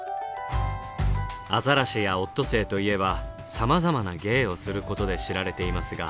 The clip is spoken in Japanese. アザラシやオットセイといえばさまざまな芸をすることで知られていますが。